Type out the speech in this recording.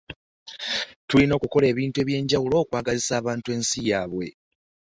tulina okukola ebintu egyenjawulo okwagazisa abantu ensi yaabwe.